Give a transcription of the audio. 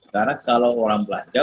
karena kalau orang belanja